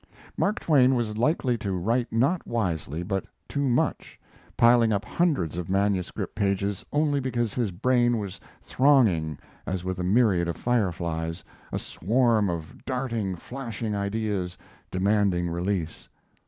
Mark Twain was likely to write not wisely but too much, piling up hundreds of manuscript pages only because his brain was thronging as with a myriad of fireflies, a swarm of darting, flashing ideas demanding release.